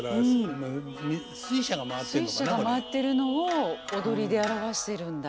水車が回ってるのを踊りで表してるんだ。